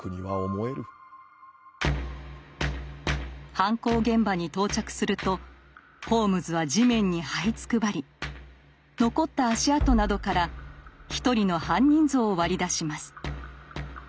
犯行現場に到着するとホームズは地面にはいつくばり残った足跡などから一人の犯人像を割り出します。